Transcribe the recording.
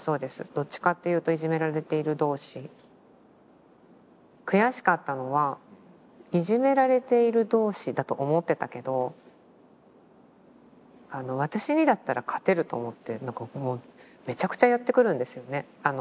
どっちかっていうと悔しかったのはいじめられている同士だと思ってたけど私にだったら勝てると思ってなんかめちゃくちゃやってくるんですよね。